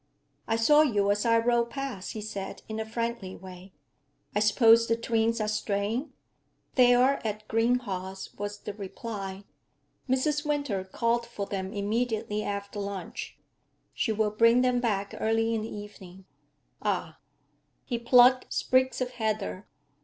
'I saw you as I rode past,' he said, in a friendly way. 'I suppose the twins are straying?' 'They are at Greenhaws,' was the reply, 'Mrs. Winter called for them immediately after lunch. She will bring them back early in the evening.' 'Ah!' He plucked sprigs of heather.